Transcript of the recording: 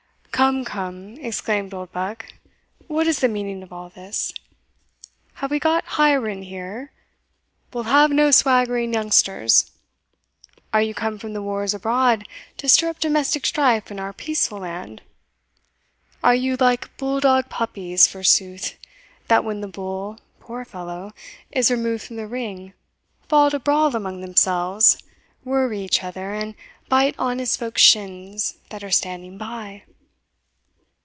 "Come, come," exclaimed Oldbuck, "what is the meaning of all this? Have we got Hiren here? We'll have no swaggering youngsters. Are you come from the wars abroad, to stir up domestic strife in our peaceful land? Are you like bull dog puppies, forsooth, that when the bull, poor fellow, is removed from the ring, fall to brawl among themselves, worry each other, and bite honest folk's shins that are standing by?"